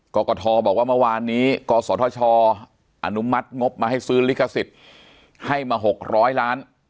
กรกฐบอกว่าเมื่อวานนี้กศธชอนุมัติงบมาให้ซื้อลิขสิทธิ์ให้มา๖๐๐ล้าน